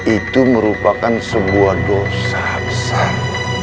itu merupakan sebuah dosa besar